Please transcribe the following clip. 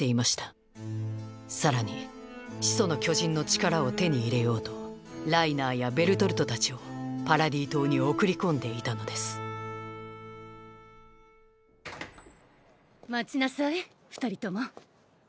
さらに「始祖の巨人の力」を手に入れようとライナーやベルトルトたちをパラディ島に送り込んでいたのです待ちなさい二人とも。